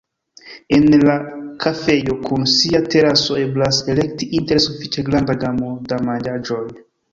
En la kafejo kun sia teraso eblas elekti inter sufiĉe granda gamo da manĝaĵoj.